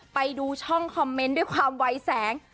ไปดูช่องคอมเมนต์ด้วยความวัยแสง